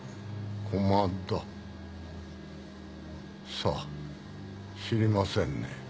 さあ知りませんね。